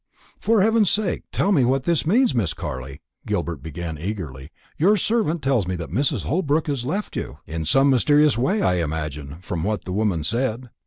"For heaven's sake tell me what this means, Miss Carley," Gilbert began eagerly. "Your servant tells me that Mrs. Holbrook has left you in some mysterious way, I imagine, from what the woman said."